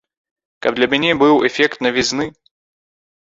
Каб для мяне быў эфект навізны.